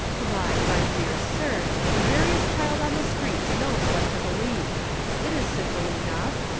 " Why, my dear sir, the veriest child on the streets knows what to believe. It is simple enough.